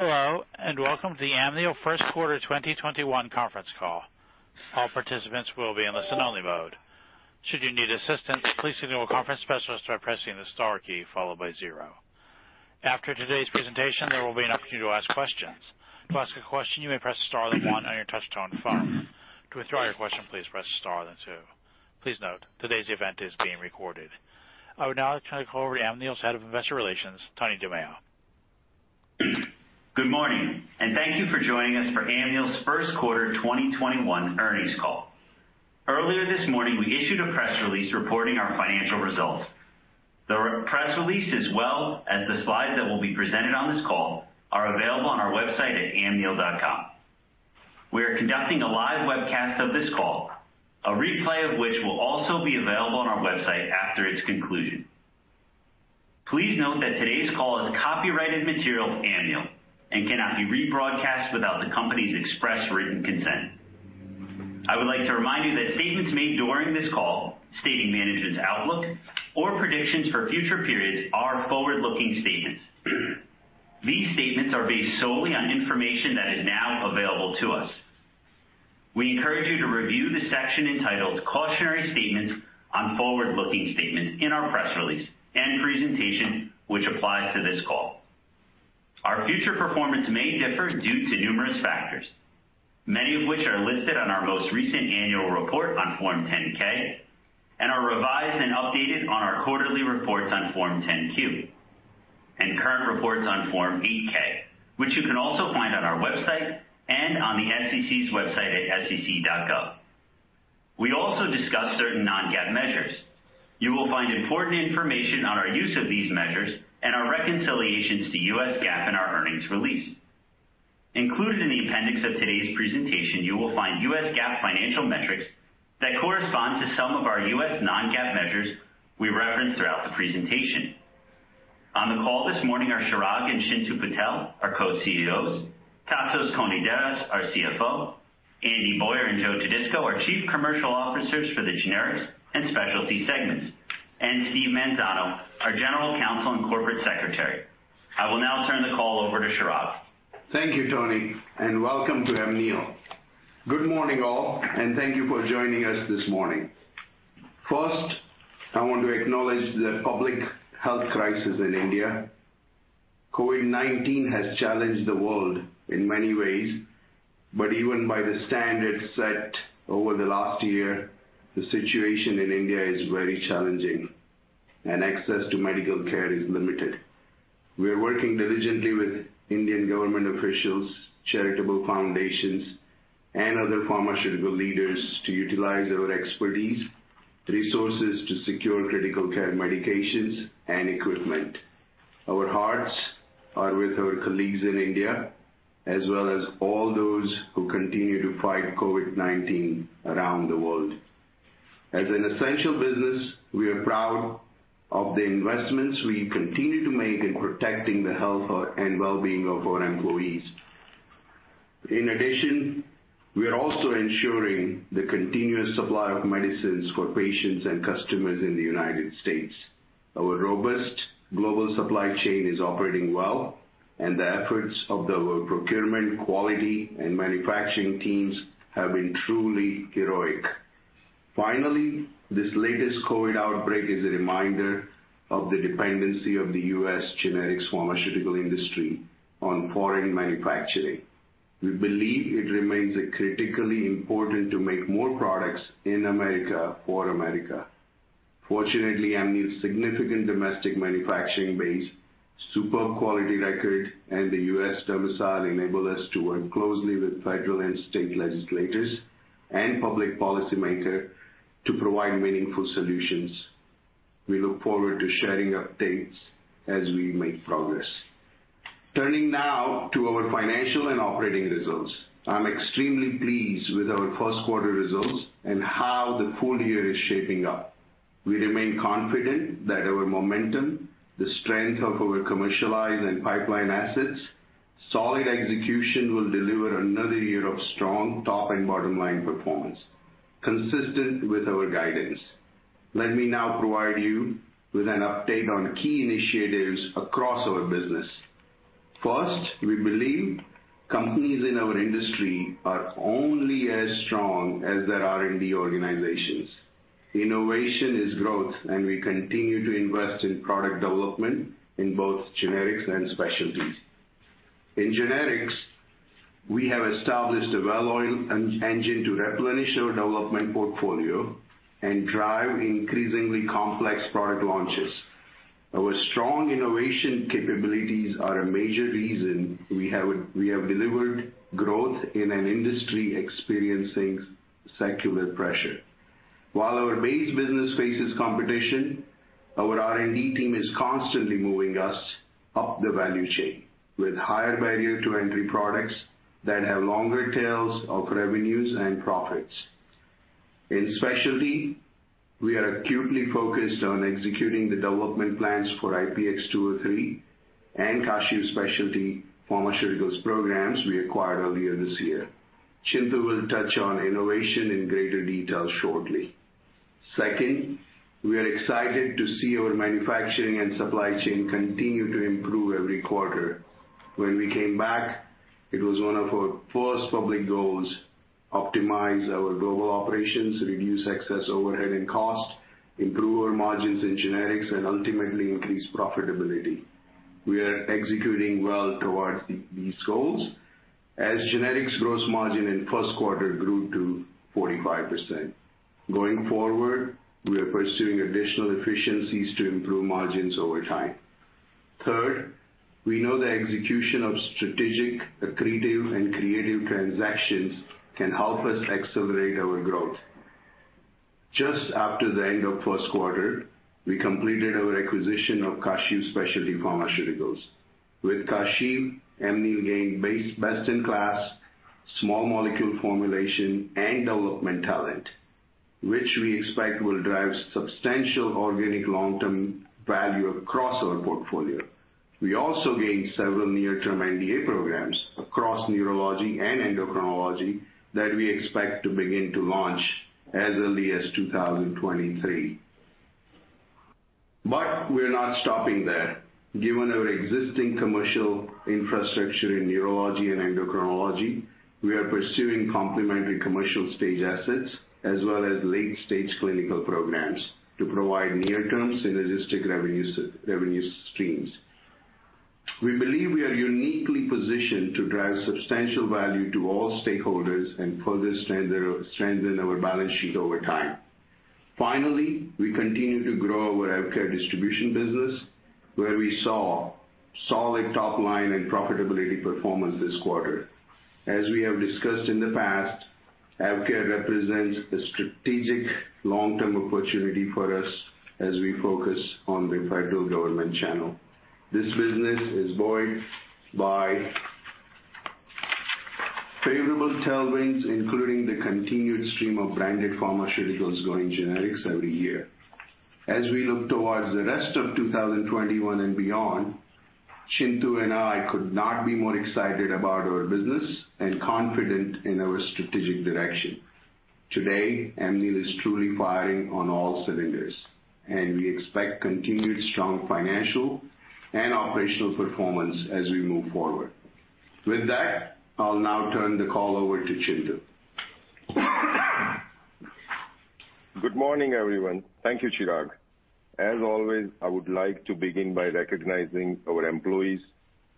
Hello, and welcome to the Amneal first quarter 2021 conference call. All participants will be on a listen-only mode. Should you need assistance, please signal a conference specialist by pressing the star key followed by zero. After today's presentation, there will be an opportunity to ask questions. To ask a question, you may press the star then one on your touch-tone phone. To withdraw your question, please press star then two. Please note today's event is being recorded. I would now like to call over to Amneal's Head of Investor Relations, Tony DiMeo. Good morning, and thank you for joining us for Amneal's first quarter 2021 earnings call. Earlier this morning, we issued a press release reporting our financial results. The press release, as well as the slides that will be presented on this call, are available on our website at amneal.com. We are conducting a live webcast of this call, a replay of which will also be available on our website after its conclusion. Please note that today's call is copyrighted material of Amneal and cannot be rebroadcast without the company's express written consent. I would like to remind you that statements made during this call stating management's outlook or predictions for future periods are forward-looking statements. These statements are based solely on information that is now available to us. We encourage you to review the section entitled Cautionary Statements on Forward-Looking Statements in our press release and presentation, which applies to this call. Our future performance may differ due to numerous factors, many of which are listed on our most recent annual report on Form 10-K, and are revised and updated on our quarterly reports on Form 10-Q, and current reports on Form 8-K, which you can also find on our website and on the SEC's website at sec.gov. We also discuss certain non-GAAP measures. You will find important information on our use of these measures and our reconciliations to U.S. GAAP in our earnings release. Included in the appendix of today's presentation, you will find U.S. GAAP financial metrics that correspond to some of our U.S. non-GAAP measures we reference throughout the presentation. On the call this morning are Chirag and Chintu Patel, our Co-CEOs, Tasos Konidaris, our CFO, Andy Boyer and Joe Todisco, our Chief Commercial Officers for the Generics and Specialty segments, and Steve Manzano, our General Counsel and Corporate Secretary. I will now turn the call over to Chirag. Thank you, Tony, and welcome to Amneal. Good morning, all. Thank you for joining us this morning. First, I want to acknowledge the public health crisis in India. COVID-19 has challenged the world in many ways, but even by the standards set over the last year, the situation in India is very challenging and access to medical care is limited. We are working diligently with Indian government officials, charitable foundations, and other pharmaceutical leaders to utilize our expertise, resources to secure critical care medications and equipment. Our hearts are with our colleagues in India, as well as all those who continue to fight COVID-19 around the world. As an essential business, we are proud of the investments we continue to make in protecting the health and well-being of our employees. In addition, we are also ensuring the continuous supply of medicines for patients and customers in United States. our robust global supply chain is operating well, and the efforts of our procurement, quality, and manufacturing teams have been truly heroic. Finally, this latest COVID-19 outbreak is a reminder of the dependency of the U.S. Generics Pharmaceutical Industry on foreign manufacturing. We believe it remains critically important to make more products in America for America. Fortunately, Amneal's significant domestic manufacturing base, superb quality record, and the U.S. domicile enable us to work closely with federal and state legislators and public policy maker to provide meaningful solutions. We look forward to sharing updates as we make progress. Turning now to our financial and operating results. I'm extremely pleased with our first quarter results and how the full year is shaping up. We remain confident that our momentum, the strength of our commercialized and pipeline assets, solid execution will deliver another year of strong top and bottom line performance, consistent with our guidance. Let me now provide you with an update on key initiatives across our business. First, we believe companies in our industry are only as strong as their R&D organizations. Innovation is growth. We continue to invest in product development in both Generics and Specialties. In Generics, we have established a well-oiled engine to replenish our development portfolio and drive increasingly complex product launches. Our strong innovation capabilities are a major reason we have delivered growth in an industry experiencing secular pressure. While our base business faces competition, our R&D team is constantly moving us up the value chain with higher barrier to entry products that have longer tails of revenues and profits. In Specialty, we are acutely focused on executing the development plans for IPX203 and Kashiv Specialty Pharmaceuticals programs we acquired earlier this year. Chintu will touch on innovation in greater detail shortly. Second, we are excited to see our manufacturing and supply chain continue to improve every quarter. When we came back, it was one of our first public goals, optimize our global operations, reduce excess overhead and cost, improve our margins in Generics, and ultimately increase profitability. We are executing well towards these goals as Generics gross margin in first quarter grew to 45%. Going forward, we are pursuing additional efficiencies to improve margins over time. We know the execution of strategic, accretive, and creative transactions can help us accelerate our growth. Just after the end of first quarter, we completed our acquisition of Kashiv Specialty Pharmaceuticals. With Kashiv, Amneal gained best-in-class small molecule formulation and development talent, which we expect will drive substantial organic long-term value across our portfolio. We also gained several near-term NDA programs across neurology and endocrinology that we expect to begin to launch as early as 2023. We're not stopping there. Given our existing commercial infrastructure in neurology and endocrinology, we are pursuing complementary commercial stage assets as well as late-stage clinical programs to provide near-term synergistic revenue streams. We believe we are uniquely positioned to drive substantial value to all stakeholders and further strengthen our balance sheet over time. Finally, we continue to grow our AvKARE distribution business, where we saw solid top line and profitability performance this quarter. As we have discussed in the past, AvKARE represents a strategic long-term opportunity for us as we focus on refi to government channel. This business is buoyed by favorable tailwinds, including the continued stream of branded pharmaceuticals going Generics every year. As we look towards the rest of 2021 and beyond, Chintu and I could not be more excited about our business and confident in our strategic direction. Today, Amneal is truly firing on all cylinders, and we expect continued strong financial and operational performance as we move forward. With that, I'll now turn the call over to Chintu. Good morning, everyone. Thank you, Chirag. As always, I would like to begin by recognizing our employees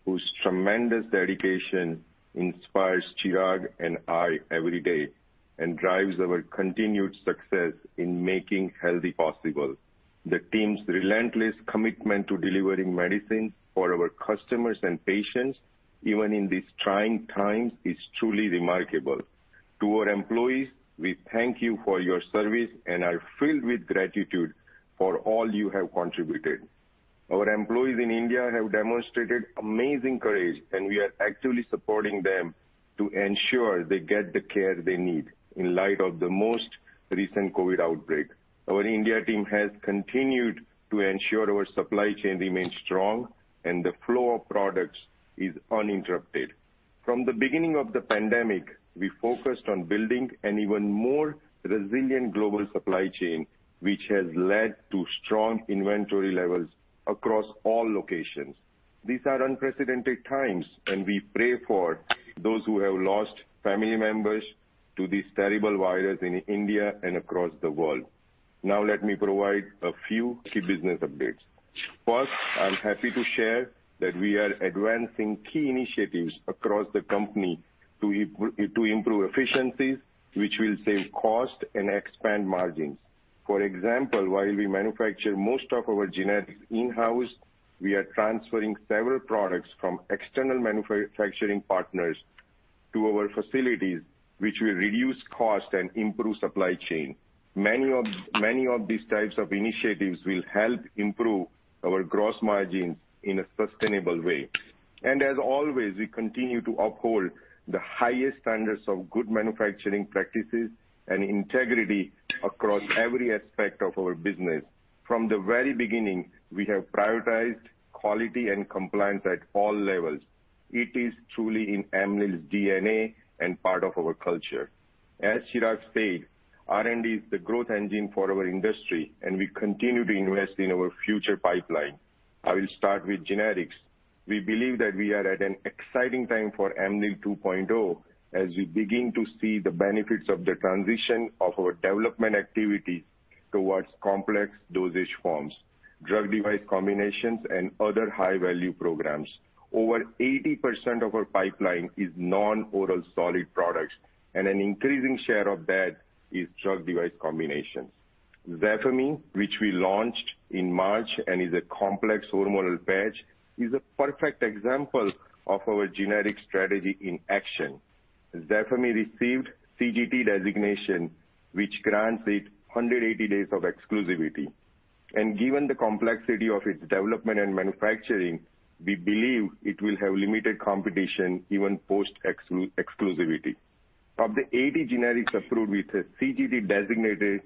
whose tremendous dedication inspires Chirag and I every day and drives our continued success in making healthy possible. The team's relentless commitment to delivering medicine for our customers and patients, even in these trying times, is truly remarkable. To our employees, we thank you for your service and are filled with gratitude for all you have contributed. Our employees in India have demonstrated amazing courage, and we are actively supporting them to ensure they get the care they need in light of the most recent COVID outbreak. Our India team has continued to ensure our supply chain remains strong and the flow of products is uninterrupted. From the beginning of the pandemic, we focused on building an even more resilient global supply chain, which has led to strong inventory levels across all locations. These are unprecedented times, and we pray for those who have lost family members to this terrible virus in India and across the world. Let me provide a few key business updates. First, I'm happy to share that we are advancing key initiatives across the company to improve efficiencies, which will save cost and expand margins. For example, while we manufacture most of our Generics in-house, we are transferring several products from external manufacturing partners to our facilities, which will reduce cost and improve supply chain. Many of these types of initiatives will help improve our gross margins in a sustainable way. As always, we continue to uphold the highest standards of good manufacturing practices and integrity across every aspect of our business. From the very beginning, we have prioritized quality and compliance at all levels. It is truly in Amneal's DNA and part of our culture. As Chirag said, R&D is the growth engine for our industry, and we continue to invest in our future pipeline. I will start with Generics. We believe that we are at an exciting time for Amneal 2.0 as we begin to see the benefits of the transition of our development activity towards complex dosage forms, drug device combinations, and other high-value programs. Over 80% of our pipeline is non-oral solid products, and an increasing share of that is drug device combinations. ZAFEMY, which we launched in March and is a complex hormonal patch, is a perfect example of our Generic strategy in action. ZAFEMY received CGT designation, which grants it 180 days of exclusivity. Given the complexity of its development and manufacturing, we believe it will have limited competition even post-exclusivity. Of the 80 Generics approved with a CGT designated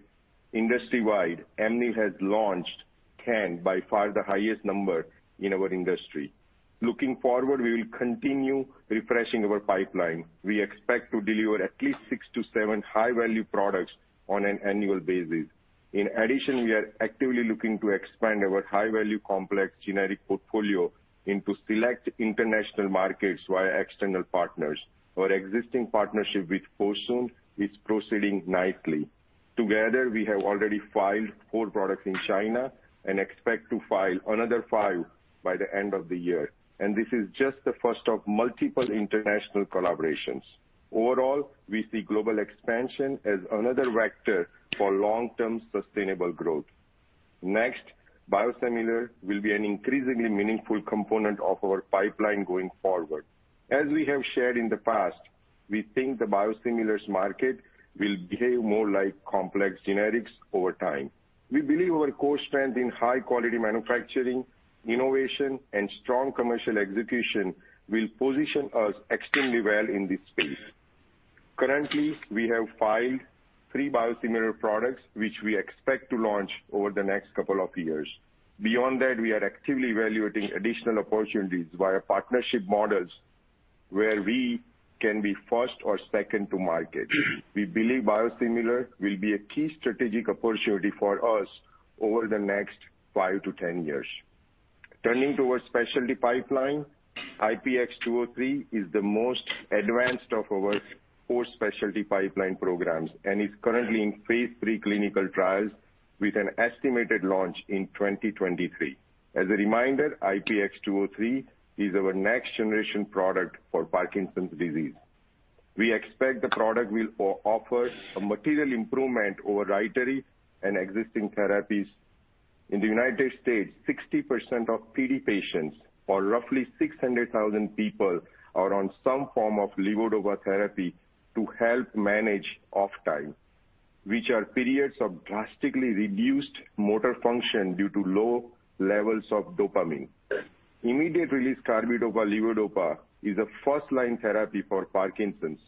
industry-wide, Amneal has launched 10, by far the highest number in our industry. Looking forward, we will continue refreshing our pipeline. We expect to deliver at least six to seven high-value products on an annual basis. In addition, we are actively looking to expand our high-value complex Generic portfolio into select international markets via external partners. Our existing partnership with Fosun is proceeding nicely. Together, we have already filed four products in China and expect to file another five by the end of the year. And this is just the first of multiple international collaborations. Overall, we see global expansion as another vector for long-term sustainable growth. Next, Biosimilar will be an increasingly meaningful component of our pipeline going forward. As we have shared in the past, we think the Biosimilars market will behave more like complex Generics over time. We believe our core strength in high-quality manufacturing, innovation and strong commercial execution will position us extremely well in this space. Currently, we have filed three Biosimilar products, which we expect to launch over the next couple of years. Beyond that, we are actively evaluating additional opportunities via partnership models where we can be first or second to market. We believe Biosimilars will be a key strategic opportunity for us over the next 5-10 years. Turning to our Specialty pipeline. IPX203 is the most advanced of our four Specialty pipeline programs, and is currently in phase III clinical trials with an estimated launch in 2023. as a reminder IPX203 is our next generation product for Parkinson's disease. We expect the product will offer a material improvement over RYTARY and existing therapies. In the United States, 60% of PD patients or roughly 600,000 people are on some form of levodopa therapy to help manage off time, which are periods of drastically reduced motor function due to low levels of dopamine. Immediate release carbidopa-levodopa is a first-line therapy for Parkinson's.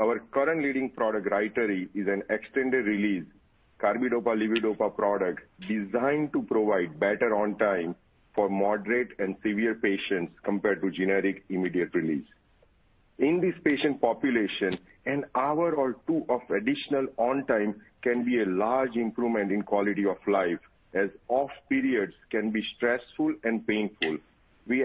Our current leading product, RYTARY is an extended release carbidopa-levodopa product designed to provide better on-time for moderate and severe patients compared to Generic immediate release. In this patient population an hour or two of additional on time can be a large improvement in quality of life as off periods can be stressful and painful. We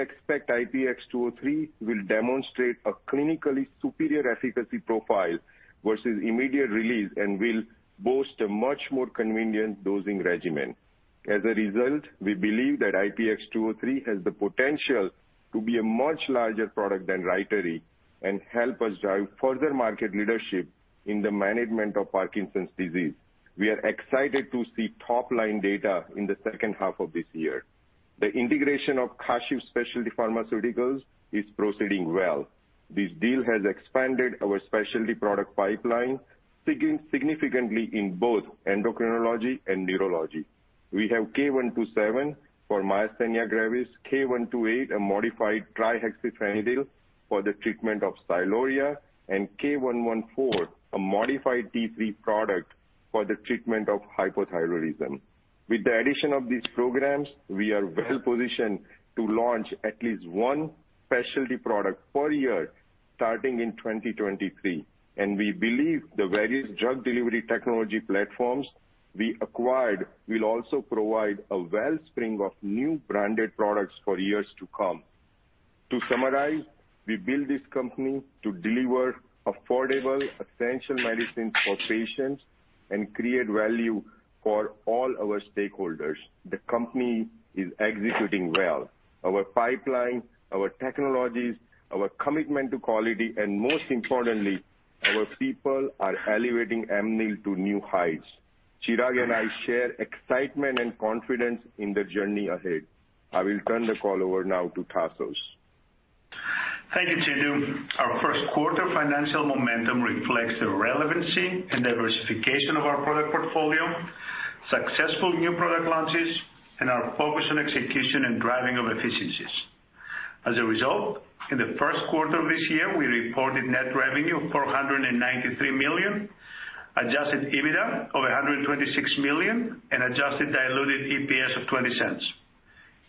expect IPX203 will demonstrate a clinically superior efficacy profile versus immediate release and will bolster much more convenient dosing regimen. As a result, we believe that IPX203 has the potential to be a much larger product than RYTARY and help us grow further market leadership in the management of Parkinson's disease. We are excited to see top line data in the second half of this year. The integration of Kashiv Specialty Pharmaceuticals is proceeding well. This deal has expanded our Specialty product pipelines significantly in both endocrinology and neurology. We have K127 for myasthenia gravis K128, a modify trihexyphenidyl for the treatment of sialorrhea and K114, a modified T3 product for the treatment of hypothyroidism. With the addition of these programs, we are well positioned to launch at least one Specialty product per year starting in 2023. And we believe the various drug delivery technology platforms we acquired will also provide a wellspring of new branded products for years to come. To summarize, we build this company to deliver affordable, essential medicines for patients and create value for all our stakeholders. The company is executing well. Our pipeline, our technologies, our commitment to quality and most importantly, our people are elevating Amneal to new heights. Chirag and I share excitement and confidence in the journey ahead. I will turn the call over now to Tasos. Thank you, Chintu. Our first quarter financial momentum reflects the relevancy and diversification of our product portfolio, successful new product launches, and our focus on execution and driving of efficiencies. As a result, in the first quarter of this year, we reported net revenue of $493 million, adjusted EBITDA of $126 million, and adjusted diluted EPS of $0.20.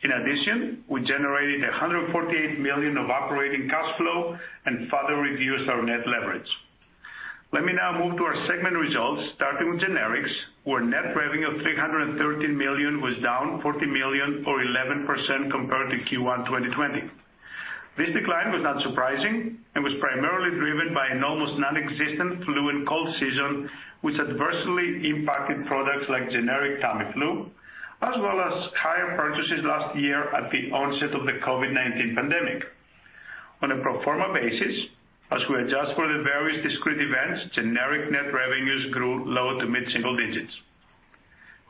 In addition, we generated $148 million of operating cash flow and further reduced our net leverage. Let me now move to our segment results, starting with Generics, where net revenue of $313 million was down $40 million or 11% compared to Q1 2020. This decline was not surprising and was primarily driven by an almost nonexistent flu and cold season, which adversely impacted products like generic Tamiflu, as well as higher purchases last year at the onset of the COVID-19 pandemic. On a pro forma basis, as we adjust for the various discrete events, Generic net revenues grew low to mid-single digits.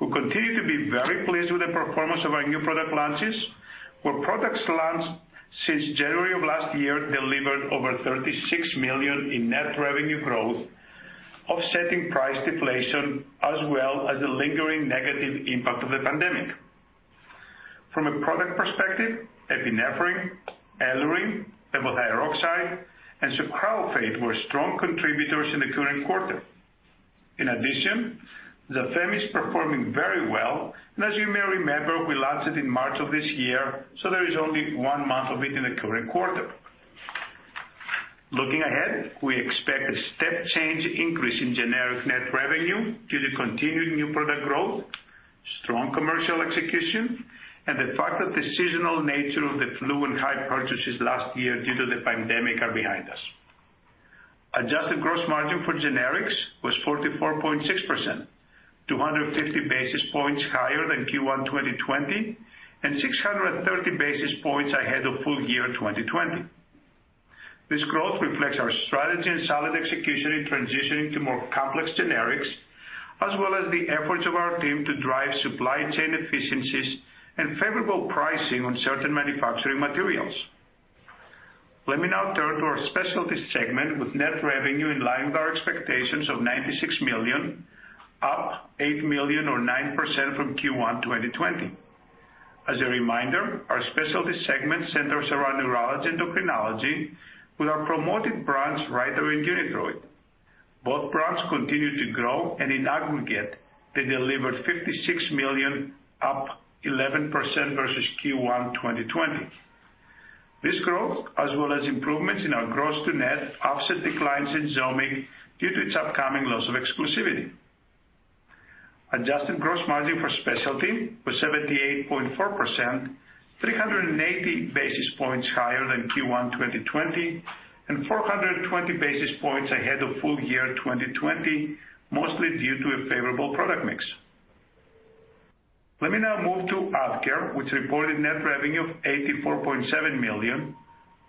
We continue to be very pleased with the performance of our new product launches, where products launched since January of last year delivered over $36 million in net revenue growth, offsetting price deflation, as well as the lingering negative impact of the pandemic. From a product perspective, epinephrine, EluRyng, levothyroxine, and sucralfate were strong contributors in the current quarter. In addition, ZAFEMY is performing very well, and as you may remember, we launched it in March of this year, so there is only one month of it in the current quarter. Looking ahead, we expect a step change increase in Generic net revenue due to continued new product growth, strong commercial execution, and the fact that the seasonal nature of the flu and high purchases last year due to the pandemic are behind us. Adjusted gross margin for Generics was 44.6%, 250 basis points higher than Q1 2020 and 630 basis points ahead of full year 2020. This growth reflects our strategy and solid execution in transitioning to more complex Generics, as well as the efforts of our team to drive supply chain efficiencies and favorable pricing on certain manufacturing materials. Let me now turn to our Specialty segment with net revenue in line with our expectations of $96 million, up $8 million or 9% from Q1 2020. As a reminder, our Specialty segment centers around neurology endocrinology with our promoted brands, Nuedexta and UNITHROID. Both brands continue to grow. In aggregate, they delivered $56 million, up 11% versus Q1 2020. This growth, as well as improvements in our gross to net, offset declines in ZOMIG due to its upcoming loss of exclusivity. Adjusted gross margin for specialty was 78.4%, 380 basis points higher than Q1 2020 and 420 basis points ahead of full year 2020, mostly due to a favorable product mix. Let me now move to AvKARE, which reported net revenue of $84.7 million,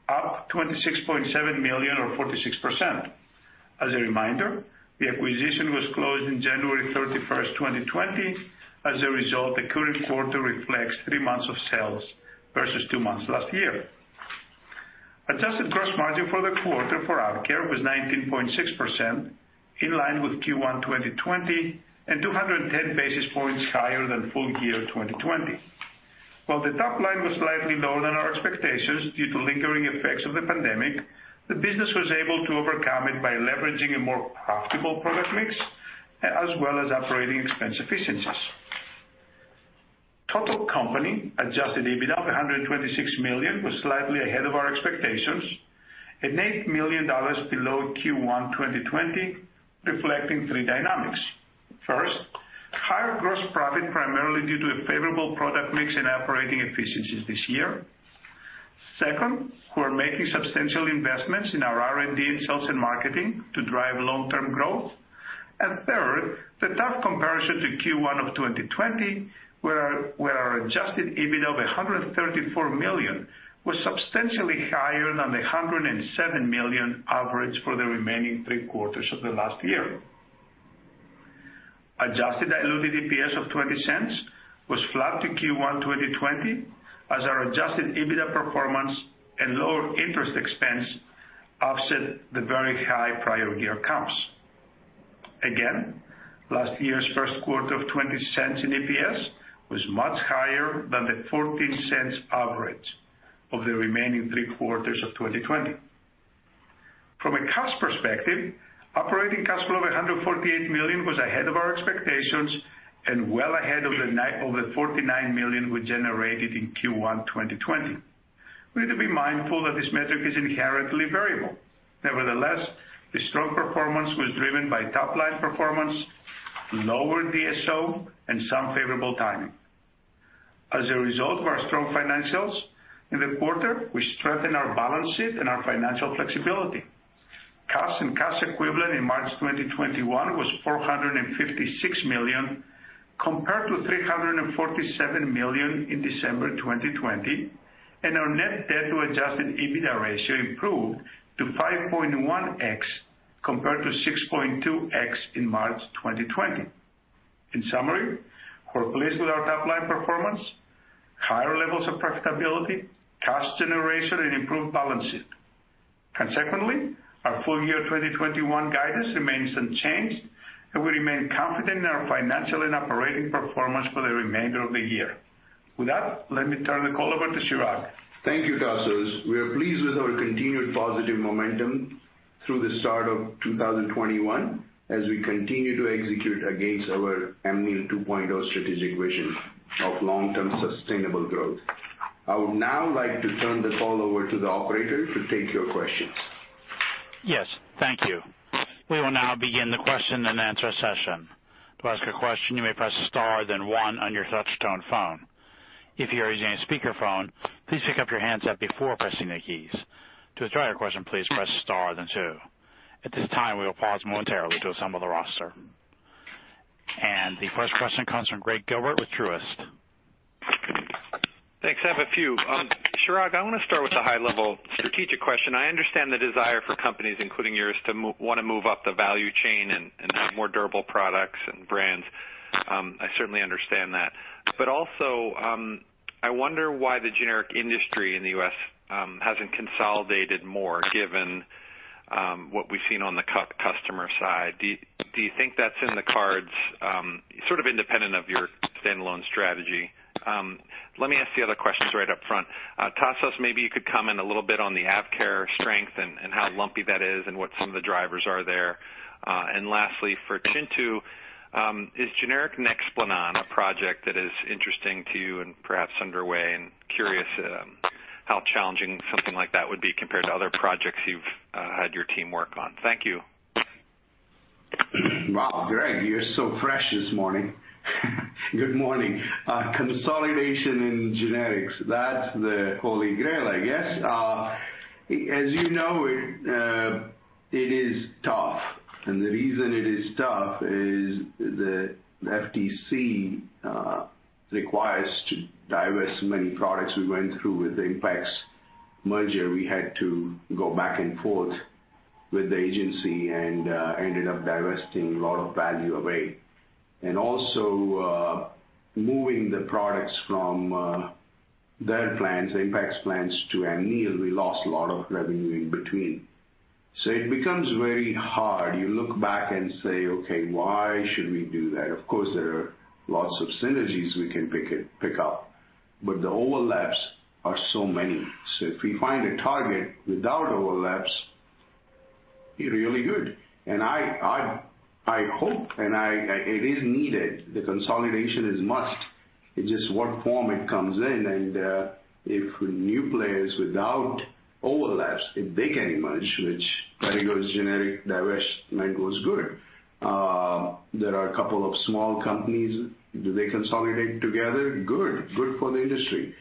up $26.7 million or 46%. As a reminder, the acquisition was closed on January 31st, 2020. As a result, the current quarter reflects three months of sales versus two months last year. Adjusted gross margin for the quarter for AvKARE was 19.6%, in line with Q1 2020, and 210 basis points higher than full year 2020. While the top line was slightly lower than our expectations due to lingering effects of the pandemic, the business was able to overcome it by leveraging a more profitable product mix, as well as operating expense efficiencies. Total company adjusted EBITDA of $126 million was slightly ahead of our expectations and $8 million below Q1 2020, reflecting three dynamics. First, higher gross profit, primarily due to a favorable product mix and operating efficiencies this year. Second, we're making substantial investments in our R&D and sales and marketing to drive long-term growth. Third, the tough comparison to Q1 2020, where our adjusted EBITDA of $134 million was substantially higher than the $107 million average for the remaining three quarters of the last year. Adjusted diluted EPS of $0.20 was flat to Q1 2020 as our adjusted EBITDA performance and lower interest expense offset the very high prior year comps. Last year's first quarter of $0.20 in EPS was much higher than the $0.14 average of the remaining three quarters of 2020. From a cash perspective, operating cash flow of $148 million was ahead of our expectations and well ahead of the $49 million we generated in Q1 2020. We need to be mindful that this metric is inherently variable. Nevertheless, the strong performance was driven by top-line performance, lower DSO, and some favorable timing. As a result of our strong financials in the quarter, we strengthened our balance sheet and our financial flexibility. Cash and cash equivalent in March 2021 was $456 million, compared to $347 million in December 2020, and our net debt to adjusted EBITDA ratio improved to 5.1x, compared to 6.2x in March 2020. In summary, we're pleased with our top-line performance, higher levels of profitability, cash generation, and improved balance sheet. Consequently, our full year 2021 guidance remains unchanged, and we remain confident in our financial and operating performance for the remainder of the year. With that, let me turn the call over to Chirag. Thank you, Tasos. We are pleased with our continued positive momentum through the start of 2021 as we continue to execute against our Amneal 2.0 strategic vision of long-term sustainable growth. I would now like to turn the call over to the operator to take your questions. Yes. Thank you. We will now begin the question and answer session. To ask a question, you may press star then one on your touch-tone phone. If you are using a speakerphone, please pick up your handset before pressing the keys. To withdraw your question, please press star then two. At this time, we will pause momentarily to assemble the roster. The first question comes from Gregg Gilbert with Truist. Thanks. I have a few. Chirag, I want to start with a high-level strategic question. I understand the desire for companies, including yours, to want to move up the value chain and have more durable products and brands. I certainly understand that. Also, I wonder why the Generic industry in the U.S. hasn't consolidated more, given what we've seen on the customer side, do you think that's in the cards independent of your standalone strategy? Let me ask the other questions right up front. Tasos, maybe you could comment a little bit on the AvKARE strength and how lumpy that is and what some of the drivers are there. Lastly, for Chintu, is generic Nexplanon a project that is interesting to you and perhaps underway? Curious how challenging something like that would be compared to other projects you've had your team work on. Thank you. Wow, Gregg, you're so fresh this morning. Good morning. Consolidation in Generics. That's the holy grail, I guess. As you know, it is tough. The reason it is tough is the FTC requires to divest many products. We went through with the Impax merger. We had to go back and forth with the agency and ended up divesting a lot of value away. Also moving the products from their plants, Impax plants, to Amneal, we lost a lot of revenue in between. It becomes very hard. You look back and say, "Okay, why should we do that?" Of course, there are lots of synergies we can pick up, but the overlaps are so many. If we find a target without overlaps, be really good. I hope, and it is needed, the consolidation is must. It's just what form it comes in, and if new players without overlaps, if they can merge, which category Generics divestment goes good. There are a couple of small companies. Do they consolidate together? Good. Good for the industry.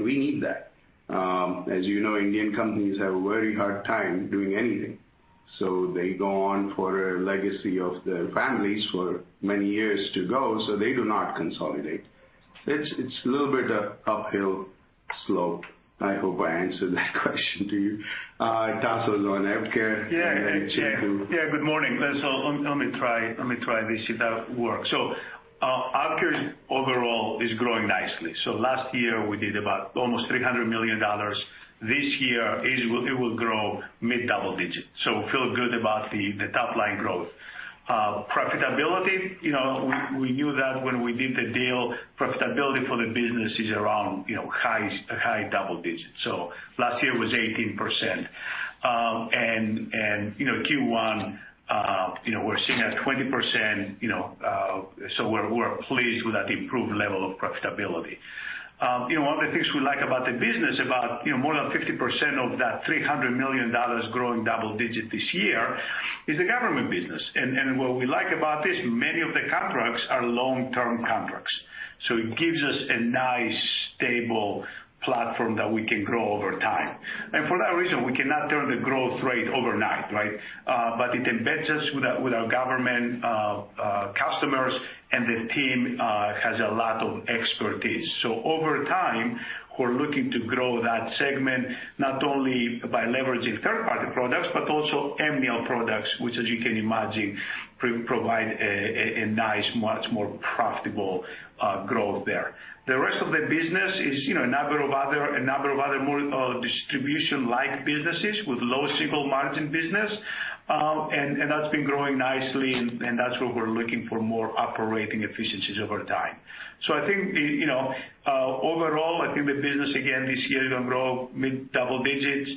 We need that. As you know, Indian companies have a very hard time doing anything. They go on for a legacy of their families for many years to go, so they do not consolidate. It's a little bit of uphill slope. I hope I answered that question to you. Tasos on AvKARE and then Chintu. Yeah. Good morning. Let me try this, see if that works. AvKARE overall is growing nicely. Last year, we did about almost $300 million. This year, it will grow mid-double digits. Feel good about the top-line growth. Profitability, we knew that when we did the deal, profitability for the business is around high double digits. Last year was 18%. Q1, we're sitting at 20%, so we're pleased with that improved level of profitability. One of the things we like about the business, about more than 50% of that $300 million growing double digit this year, is the government business. What we like about this, many of the contracts are long-term contracts, so it gives us a nice, stable platform that we can grow over time. For that reason, we cannot turn the growth rate overnight. It embeds us with our government customers, and the team has a lot of expertise. Over time, we're looking to grow that segment, not only by leveraging third-party products, but also Amneal products, which as you can imagine, provide a nice, much more profitable growth there. The rest of the business is a number of other more distribution-like businesses with low single-margin business. That's been growing nicely, and that's where we're looking for more operating efficiencies over time. I think overall, I think the business again this year is going to grow mid-double digits.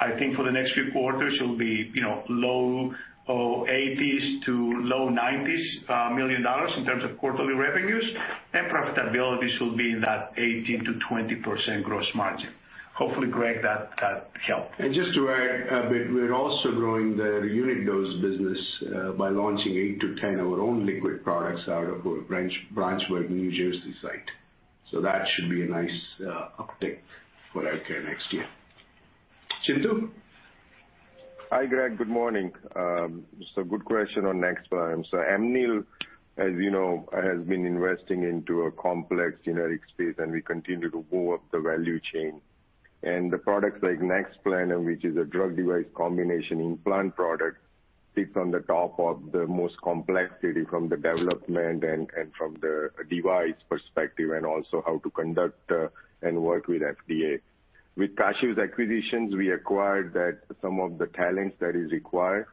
I think for the next few quarters, it'll be low $80 million to low $90 million in terms of quarterly revenues. Profitability should be in that 18%-20% gross margin. Hopefully, Gregg, that helped. Just to add a bit, we're also growing the unit dose business by launching 8-10 of our own liquid products out of our Branchburg, New Jersey site. That should be a nice uptick for AvKARE next year. Chintu? Hi, Gregg. Good morning. It's a good question on Nexplanon. Amneal, as you know, has been investing into a complex Generic space, and we continue to move up the value chain. The products like Nexplanon, which is a drug device combination implant product, sits on the top of the most complexity from the development and from the device perspective, and also how to conduct and work with FDA. With Kashiv's acquisitions, we acquired some of the talents that is required.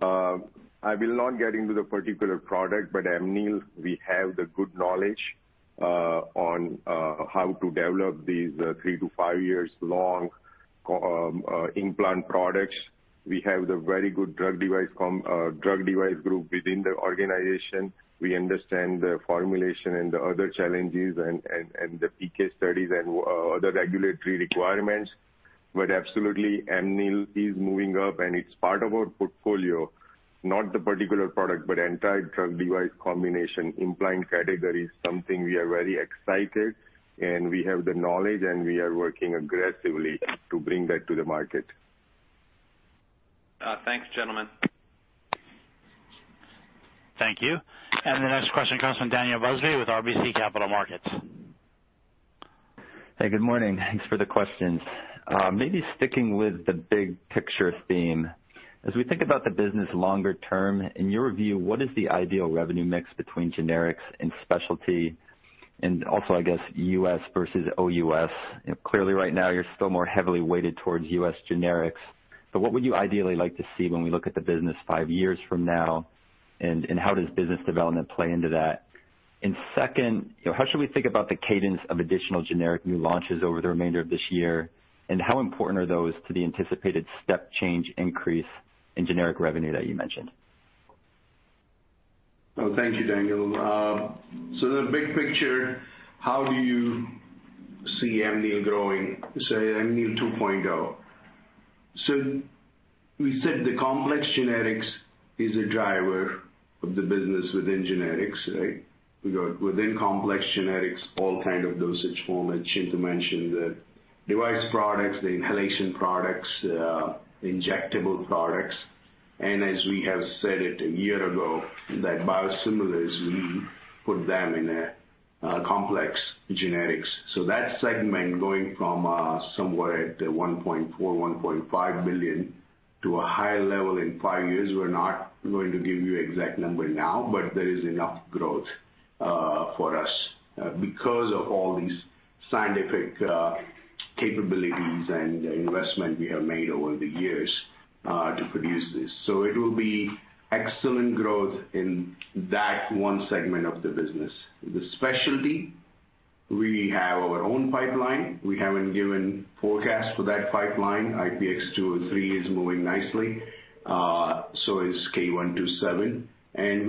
I will not get into the particular product, but Amneal, we have the good knowledge on how to develop these three to five years long implant products. We have the very good drug device group within the organization. We understand the formulation and the other challenges, the PK studies and other regulatory requirements. Absolutely, Amneal is moving up, and it's part of our portfolio, not the particular product, but entire drug device combination implant category is something we are very excited, and we have the knowledge, and we are working aggressively to bring that to the market. Thanks, gentlemen. Thank you. The next question comes from Daniel Busby with RBC Capital Markets. Hey, good morning. Thanks for the questions. Maybe sticking with the big picture theme. As we think about the business longer term, in your view, what is the ideal revenue mix between Generics and Specialty, and also, I guess, U.S. versus OUS? Clearly, right now, you're still more heavily weighted towards U.S. Generics, what would you ideally like to see when we look at the business five years from now, and how does business development play into that? Second, how should we think about the cadence of additional Generic new launches over the remainder of this year, and how important are those to the anticipated step change increase in Generic revenue that you mentioned? Well, thank you, Daniel. The big picture, how do you see Amneal growing, say, Amneal 2.0? We said the complex Generics is a driver of the business within Generics, right? We got within complex Generics, all kind of dosage form. Chintu mentioned the device products, the inhalation products, the injectable products. As we have said it a year ago, that Biosimilars, we put them in a complex Generics. That segment going from somewhere at $1.4 billion-$1.5 billion to a higher level in five years. We're not going to give you exact number now, there is enough growth for us because of all these scientific capabilities and investment we have made over the years to produce this. It will be excellent growth in that one segment of the business. The Specialty, we have our own pipeline. We haven't given forecast for that pipeline. IPX203 is moving nicely. Is K127. We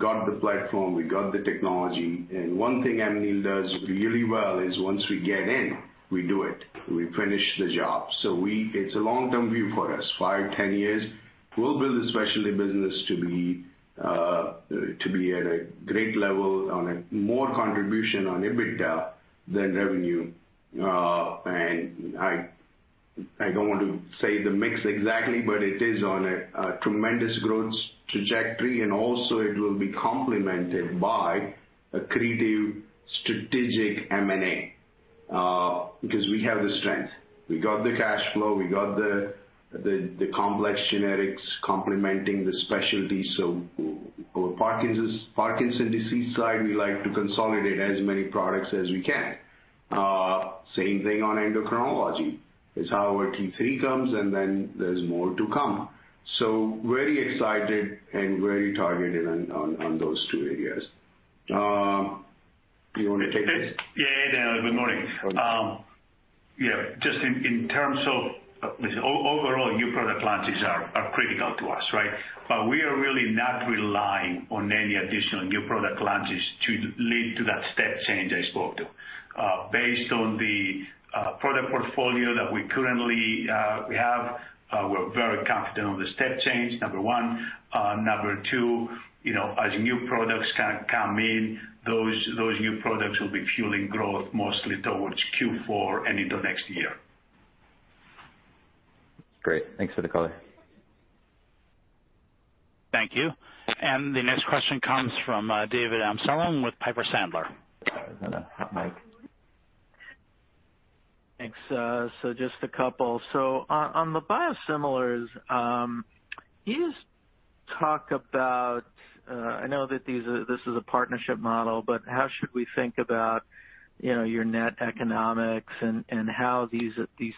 got the platform, we got the technology. One thing Amneal does really well is once we get in, we do it. We finish the job. It's a long-term view for us. Five, 10 years, we'll build a Specialty business to be at a great level on a more contribution on EBITDA than revenue. I don't want to say the mix exactly, but it is on a tremendous growth trajectory, and also it will be complemented by accretive strategic M&A, because we have the strength. We got the cash flow, we got the complex Generics complementing the Specialty. For Parkinson's disease side, we like to consolidate as many products as we can. Same thing on endocrinology, is how our T3 comes, and then there's more to come. Very excited and very targeted on those two areas. Do you want to take this? Yeah, good morning. Okay. Yeah, just in terms of overall new product launches are critical to us, right? We are really not relying on any additional new product launches to lead to that step change I spoke to. Based on the product portfolio that we currently have, we're very confident on the step change, number one. Number two, as new products kind of come in, those new products will be fueling growth mostly towards Q4 and into next year. Great. Thanks for the color. Thank you. The next question comes from David Amsellem with Piper Sandler. Is that a hot mic? Thanks. Just a couple. On the Biosimilars, you talk about, I know that this is a partnership model, but how should we think about your net economics and how these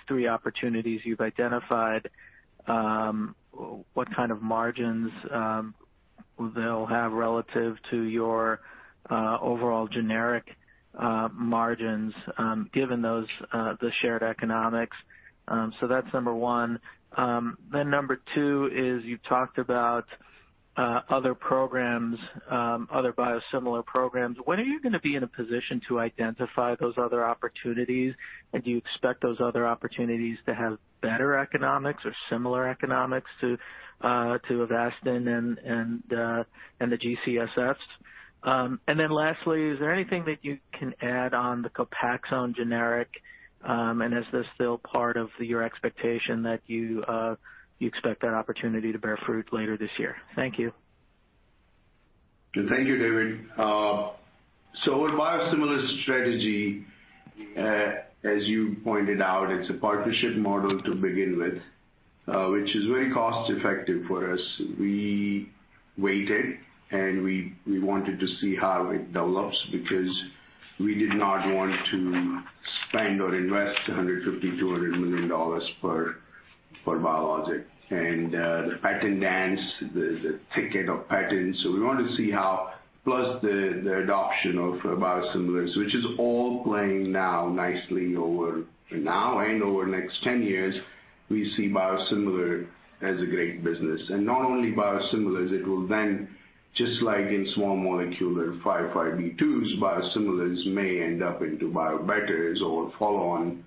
three opportunities you've identified, what kind of margins they'll have relative to your overall Generic margins, given the shared economics? That's number one. Number two is you've talked about other Biosimilar programs. When are you going to be in a position to identify those other opportunities? Do you expect those other opportunities to have better economics or similar economics to Avastin and the G-CSFs? Lastly, is there anything that you can add on the COPAXONE Generic? Is this still part of your expectation that you expect that opportunity to bear fruit later this year? Thank you. Thank you, David. With Biosimilar strategy, as you pointed out, it's a partnership model to begin with, which is very cost effective for us. We waited, and we wanted to see how it develops because we did not want to spend or invest $150 million-$200 million for biologic. The patent dance, the thicket of patents. We want to see how, plus the adoption of Biosimilars, which is all playing now nicely over now and over next 10 years, we see Biosimilar as a great business. Not only Biosimilars, it will then just like in small molecule and 505(b)(2)s, Biosimilars may end up into biobetters or follow on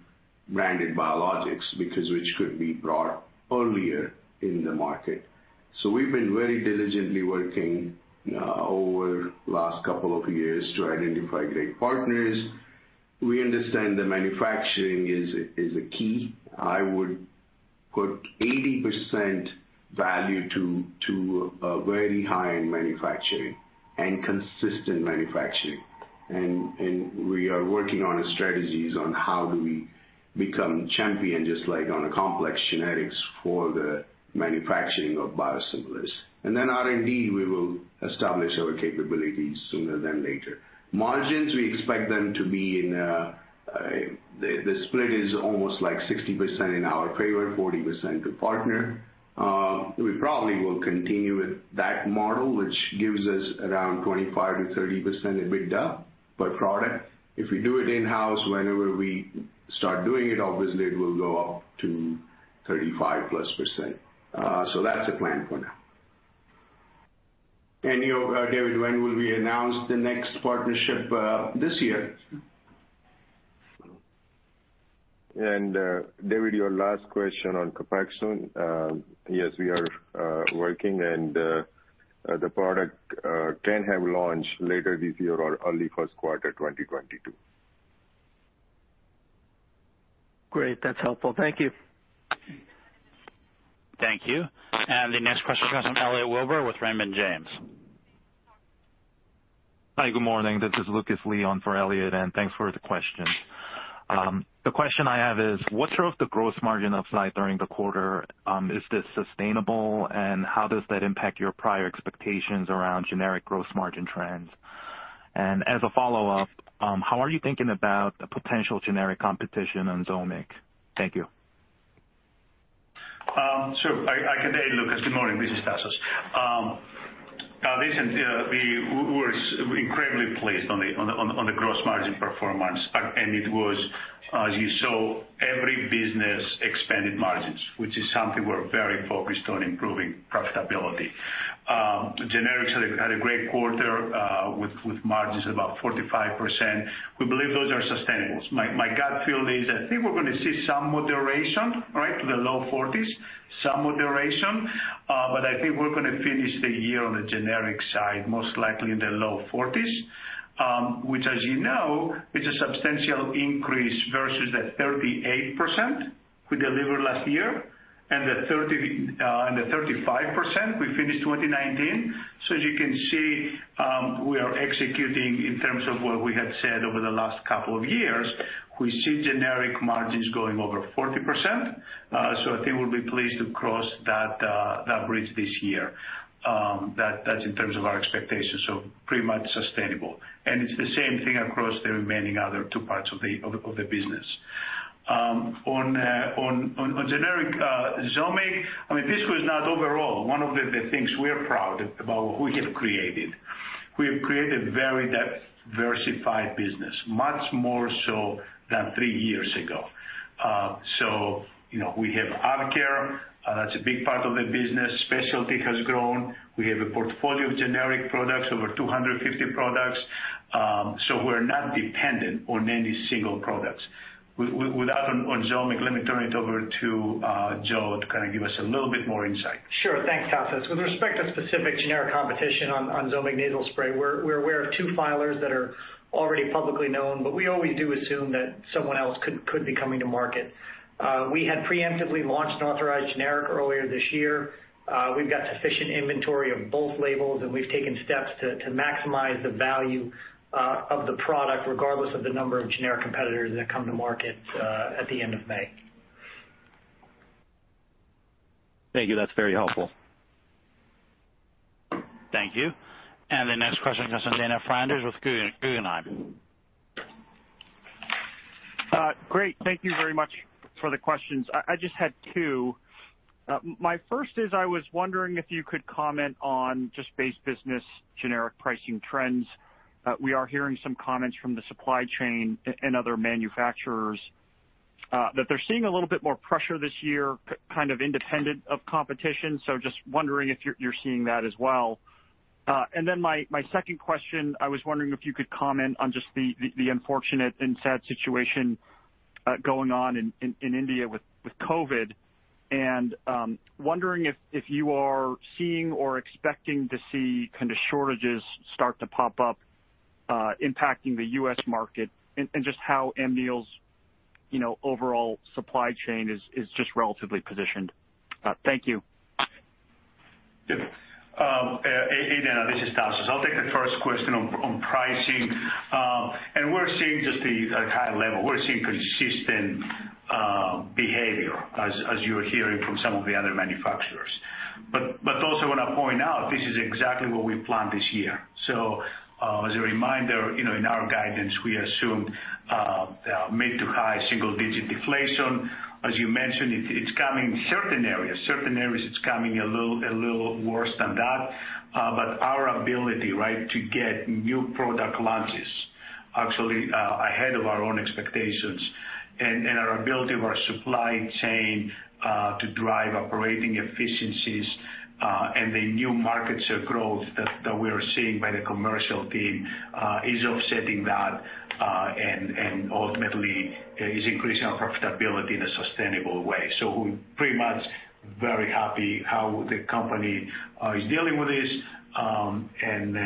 branded biologics, because which could be brought earlier in the market. We've been very diligently working over last couple of years to identify great partners. We understand that manufacturing is a key. I would put 80% value to very high-end manufacturing and consistent manufacturing. We are working on strategies on how do we become champion, just like on a complex Generics for the manufacturing of Biosimilars. R&D, we will establish our capabilities sooner than later. The split is almost like 60% in our favor, 40% to partner. We probably will continue with that model, which gives us around 25%-30% EBITDA per product. If we do it in-house, whenever we start doing it, obviously it will go up to 35% plus. That's the plan for now. David, when will we announce the next partnership? This year. David, your last question on COPAXONE. Yes, we are working and the product can have launch later this year or early first quarter 2022. Great. That's helpful. Thank you. Thank you. The next question comes from Elliot Wilbur with Raymond James. Hi, good morning. This is Lucas Lee on for Elliot, thanks for the questions. The question I have is, what drove the gross margin upside during the quarter? Is this sustainable, and how does that impact your prior expectations around Generic gross margin trends? As a follow-up, how are you thinking about the potential Generic competition on ZOMIG? Thank you. I can take Lucas. Good morning. This is Tasos. Listen, we were incredibly pleased on the gross margin performance. It was, as you saw, every business expanded margins, which is something we're very focused on, improving profitability. Generics had a great quarter with margins about 45%. We believe those are sustainable. My gut feel is I think we're going to see some moderation, right, to the low 40s%, some moderation, but I think we're going to finish the year on the Generic side, most likely in the low 40s, which, as you know, is a substantial increase versus the 38% we delivered last year and the 35% we finished 2019. As you can see, we are executing in terms of what we had said over the last couple of years. We see Generic margins going over 40%. I think we'll be pleased to cross that bridge this year. That's in terms of our expectations. Pretty much sustainable. It's the same thing across the remaining other two parts of the business. On generic ZOMIG, this was not overall one of the things we're proud about we have created. We have created very diversified business, much more so than three years ago. We have AvKARE. That's a big part of the business. Specialty has grown. We have a portfolio of Generic products, over 250 products. We're not dependent on any single products. On ZOMIG, let me turn it over to Joe to kind of give us a little bit more insight. Sure. Thanks, Tasos. With respect to specific Generic competition on ZOMIG Nasal Spray, we're aware of two filers that are already publicly known, but we always do assume that someone else could be coming to market. We had preemptively launched an authorized Generic earlier this year. We've got sufficient inventory of both labels, and we've taken steps to maximize the value of the product, regardless of the number of Generic competitors that come to market at the end of May. Thank you. That's very helpful. Thank you. The next question comes from Dana Flanders with Guggenheim. Great. Thank you very much for the questions. I just had two. My first is I was wondering if you could comment on just base business Generic pricing trends. We are hearing some comments from the supply chain and other manufacturers that they're seeing a little bit more pressure this year, kind of independent of competition. Just wondering if you're seeing that as well. My second question, I was wondering if you could comment on just the unfortunate and sad situation going on in India with COVID, and wondering if you are seeing or expecting to see kind of shortages start to pop up impacting the U.S. market, and just how Amneal's overall supply chain is just relatively positioned. Thank you. Hey, Dana, this is Tasos. I'll take the first question on pricing. We're seeing just the high level. We're seeing consistent behavior as you're hearing from some of the other manufacturers. Also want to point out this is exactly what we planned this year. As a reminder, in our guidance, we assumed mid to high single-digit deflation. As you mentioned, it's coming certain areas. Certain areas, it's coming a little worse than that. Our ability, right, to get new product launches actually ahead of our own expectations and our ability of our supply chain to drive operating efficiencies and the new markets of growth that we are seeing by the commercial team is offsetting that and ultimately is increasing our profitability in a sustainable way. We're pretty much very happy how the company is dealing with this and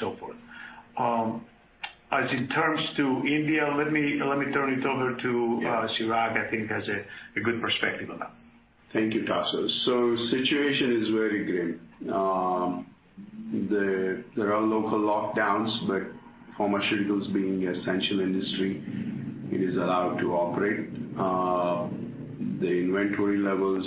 so forth. As in terms to India, let me turn it over to Chirag, I think has a good perspective on that. Thank you, Tasos. The situation is very grim. There are local lockdowns, pharmaceutical is being an essential industry, it is allowed to operate. The inventory levels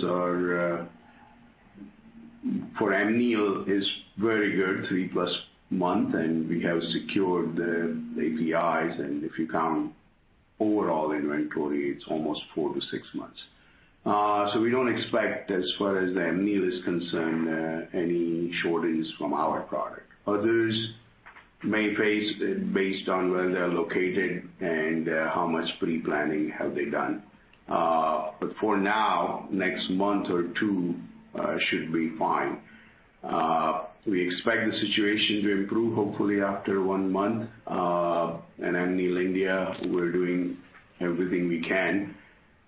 for Amneal is very good, three-plus months, we have secured the APIs, if you count overall inventory, it's almost four to six months. We don't expect, as far as Amneal is concerned, any shortage from our product. Others may face, based on where they're located and how much pre-planning have they done. For now, next month or two should be fine. We expect the situation to improve hopefully after one month. At Amneal India, we're doing everything we can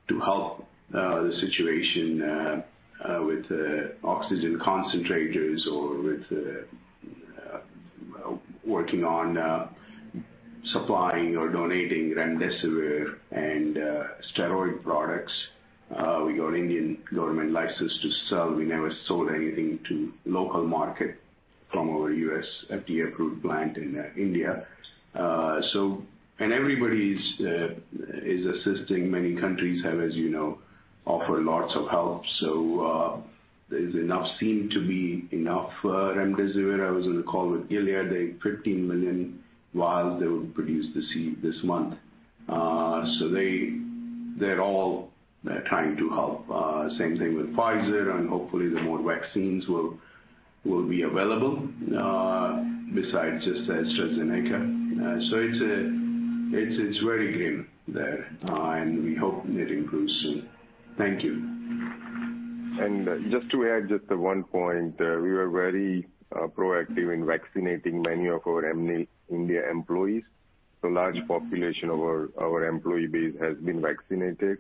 to help the situation with oxygen concentrators or with working on supplying or donating remdesivir and steroid products. We got Indian government license to sell. We never sold anything to local market from our U.S. FDA-approved plant in India. Everybody is assisting. Many countries have, as you know, offered lots of help. There seem to be enough remdesivir. I was in a call with Gilead, they have 15 million vials they will produce this month. They're all trying to help. Same thing with Pfizer, hopefully the more vaccines will be available besides just AstraZeneca. It's very grim there, and we hope it improves soon. Thank you. Just to add just one point, we were very proactive in vaccinating many of our Amneal India employees. A large population of our employee base has been vaccinated,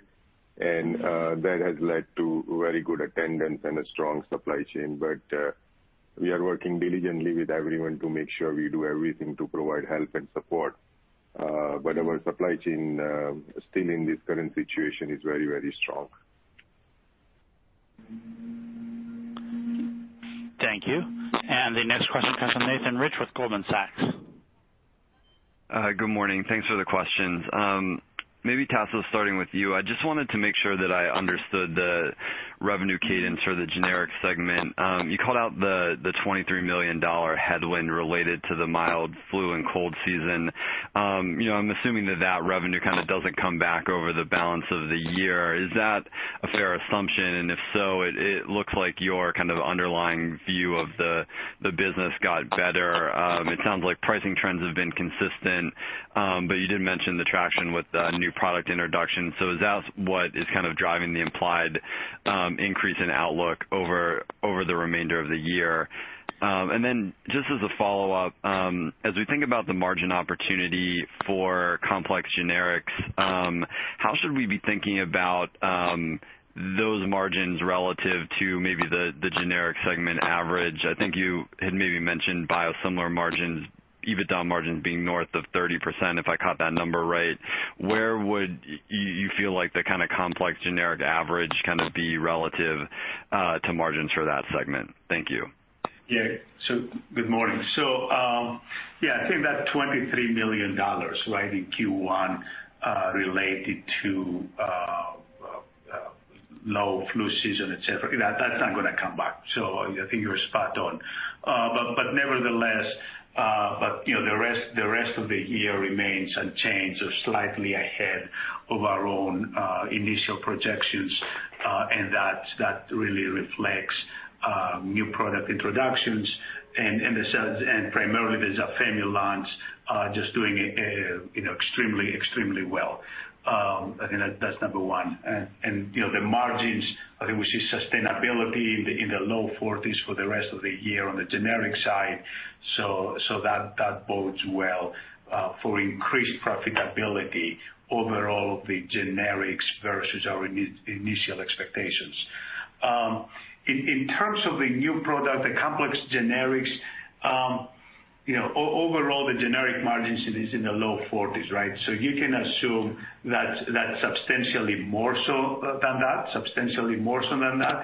and that has led to very good attendance and a strong supply chain. We are working diligently with everyone to make sure we do everything to provide help and support. Our supply chain, still in this current situation, is very strong. Thank you. The next question comes from Nathan Rich with Goldman Sachs. Good morning. Thanks for the questions. Maybe Tasos, starting with you, I just wanted to make sure that I understood the revenue cadence for the Generic segment. You called out the $23 million headwind related to the mild flu and cold season. I am assuming that revenue doesn't come back over the balance of the year. Is that a fair assumption? If so, it looks like your underlying view of the business got better. It sounds like pricing trends have been consistent, you did mention the traction with the new product introduction. Is that what is driving the implied increase in outlook over the remainder of the year? Just as a follow-up, as we think about the margin opportunity for complex Generics, how should we be thinking about those margins relative to maybe the Generic segment average? I think you had maybe mentioned Biosimilar margins, EBITDA margins being north of 30%, if I caught that number right. Where would you feel like the complex Generic average be relative to margins for that segment? Thank you. Good morning. I think that $23 million in Q1 related to low flu season, et cetera, that's not going to come back. I think you're spot on. Nevertheless, the rest of the year remains unchanged or slightly ahead of our own initial projections. That really reflects new product introductions and primarily the ZAFEMY launch just doing extremely well. I think that's number one. The margins, I think we see sustainability in the low 40s for the rest of the year on the Generic side. That bodes well for increased profitability overall of the Generics versus our initial expectations. In terms of the new product, the complex Generics, overall the Generic margins is in the low 40s, right? You can assume that substantially more so than that.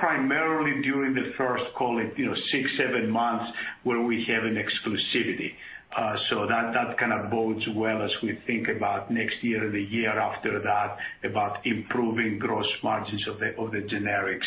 Primarily during the first, call it, six, seven months where we have an exclusivity. That kind of bodes well as we think about next year and the year after that about improving gross margins of the Generics.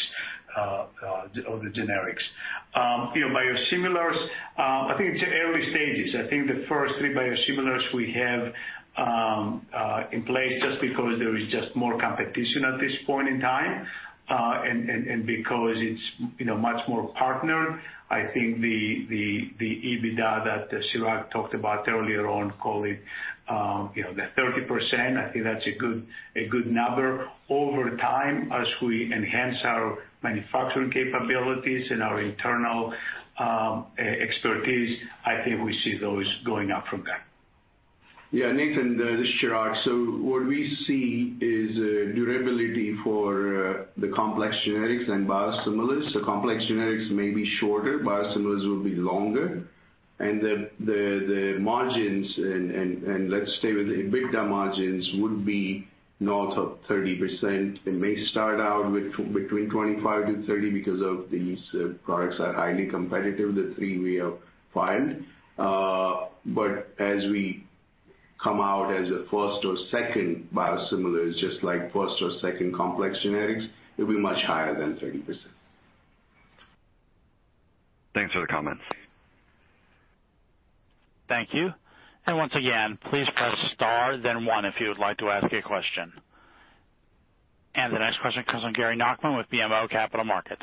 Biosimilars, I think it's early stages. I think the first three Biosimilars we have in place, just because there is just more competition at this point in time, and because it's much more partnered, I think the EBITDA that Chirag talked about earlier on, call it, the 30%, I think that's a good number. Over time, as we enhance our manufacturing capabilities and our internal expertise, I think we see those going up from there. Yeah, Nathan, this is Chirag. What we see is durability for the complex Generics and Biosimilars. The complex Generics may be shorter, Biosimilars will be longer. The margins, and let's stay with the EBITDA margins, would be north of 30%. It may start out between 25% to 30% because these products are highly competitive, the three we have filed. As we come out as a first or second Biosimilars, just like first or second complex Generics, it'll be much higher than 30%. Thanks for the comments. Thank you. Once again, please press star then one if you would like to ask a question. The next question comes from Gary Nachman with BMO Capital Markets.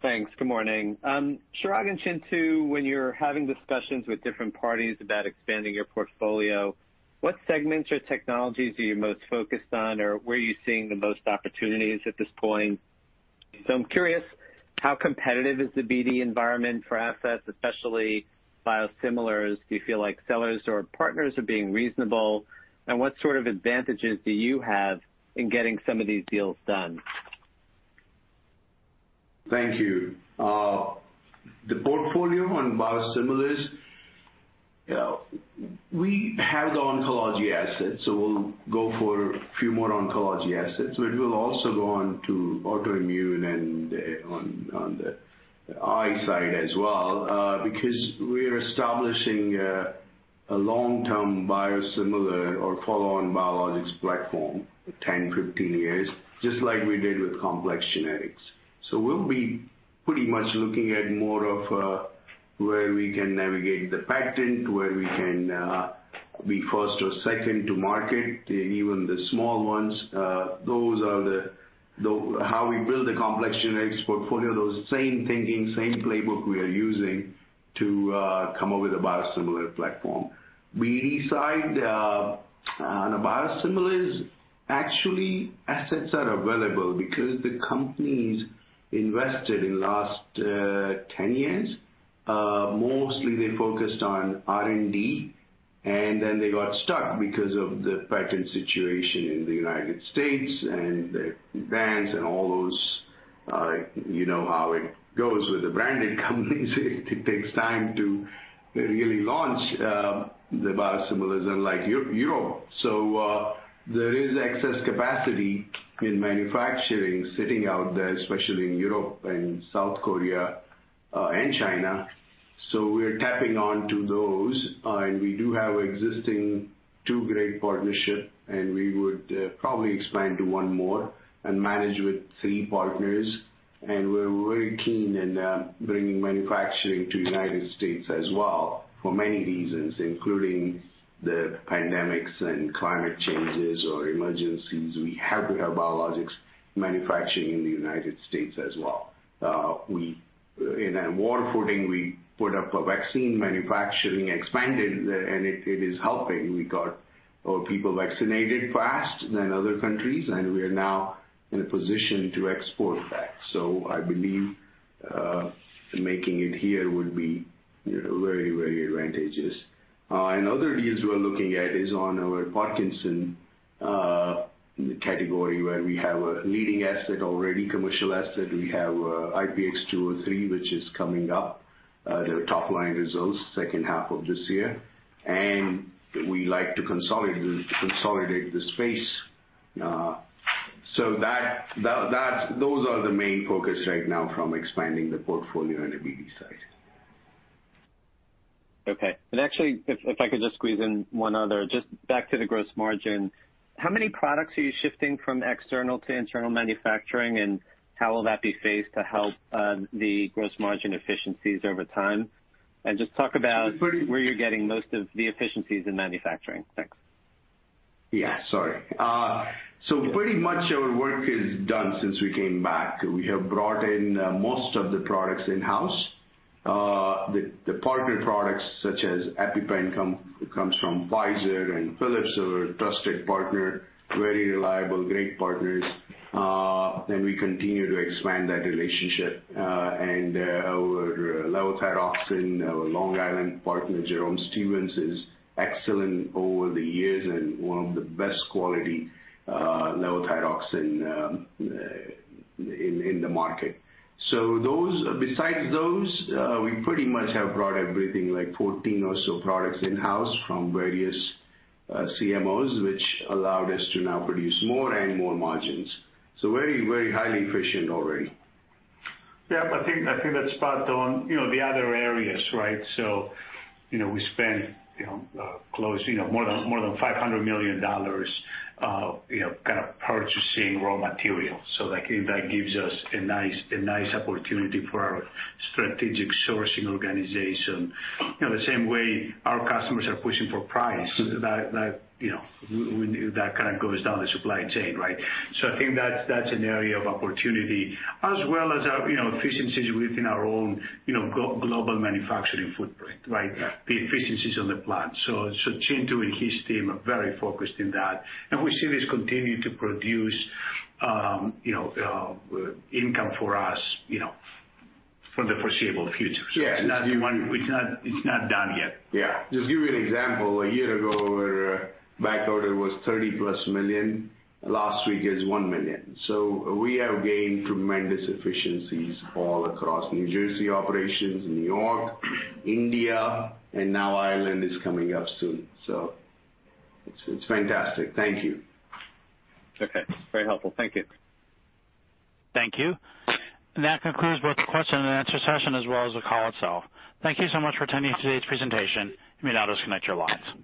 Thanks. Good morning. Chirag and Chintu, when you're having discussions with different parties about expanding your portfolio, what segments or technologies are you most focused on, or where are you seeing the most opportunities at this point? I'm curious, how competitive is the BD environment for assets, especially Biosimilars? Do you feel like sellers or partners are being reasonable? What sort of advantages do you have in getting some of these deals done? Thank you. The portfolio on Biosimilars, we have the oncology assets, so we'll go for a few more oncology assets. We will also go on to autoimmune and on the eye side as well, because we are establishing a long-term Biosimilar or follow-on biologics platform, 10, 15 years, just like we did with complex Generics. We'll be pretty much looking at more of where we can navigate the patent, where we can be first or second to market, even the small ones. Those are how we build a complex Generics portfolio. Those same thinking, same playbook we are using to come up with a Biosimilar platform. BD side on the biosimilars, actually, assets are available because the companies invested in the last 10 years. Mostly they focused on R&D, and then they got stuck because of the patent situation in the United States and the brands and all those. You know how it goes with the branded companies. It takes time to really launch the Biosimilars unlike Europe. There is excess capacity in manufacturing sitting out there, especially in Europe and South Korea and China. We're tapping onto those, and we do have existing two great partnership, and we would probably expand to one more and manage with three partners. We're very keen in bringing manufacturing to United States as well for many reasons, including the pandemics and climate changes or emergencies. We have to have biologics manufacturing in the United States as well. In a war footing, we put up a vaccine manufacturing expanded, and it is helping. We got our people vaccinated faster than other countries, and we are now in a position to export that. I believe making it here would be very advantageous. Other deals we're looking at is on our Parkinson category, where we have a leading asset already, commercial asset. We have IPX203, which is coming up, the top line results second half of this year. We like to consolidate the space. Those are the main focus right now from expanding the portfolio on the BD side. Okay. actually, if I could just squeeze in one other, just back to the gross margin, how many products are you shifting from external to internal manufacturing, and how will that be phased to help the gross margin efficiencies over time? just talk about where you're getting most of the efficiencies in manufacturing. Thanks. Yeah, sorry. Pretty much our work is done since we came back. We have brought in most of the products in-house. The partner products such as EpiPen comes from Pfizer and Phillips are trusted partner, very reliable, great partners. We continue to expand that relationship. Our levothyroxine, our Long Island partner, Jerome Stevens, is excellent over the years and one of the best quality levothyroxine in the market. Besides those, we pretty much have brought everything, like 14 or so products in-house from various CMOs, which allowed us to now produce more and more margins. Very highly efficient already. Yeah, I think that's spot on. The other areas, right? We spent more than $500 million purchasing raw materials. That gives us a nice opportunity for our Strategic Sourcing Organization. The same way our customers are pushing for price, that kind of goes down the supply chain, right? I think that's an area of opportunity as well as our efficiencies within our own global manufacturing footprint, right? Yeah. The efficiencies on the plant. Chintu and his team are very focused on that, and we see this continue to produce income for us from the foreseeable future. Yeah. It's not done yet. Yeah. Just give you an example. A year ago, our backorder was $30+ million. Last week, it's $1 million. We have gained tremendous efficiencies all across New Jersey operations, New York, India, and now Ireland is coming up soon. It's fantastic. Thank you. Okay. Very helpful. Thank you. Thank you. That concludes both the question and answer session as well as the call itself. Thank you so much for attending today's presentation. You may now disconnect your lines.